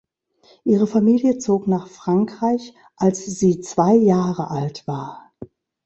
Ihre Familie zog nach Frankreich, als sie zwei Jahre alt war.